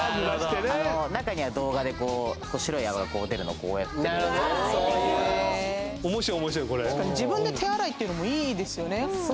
中には動画で白い泡がこう出るのをこうやってるなるほどそういう面白い面白いこれ確かに自分で手洗いっていうのもいいですよね